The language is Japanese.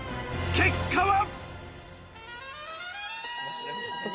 結果は？